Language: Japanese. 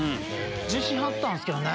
自信あったんすけどね。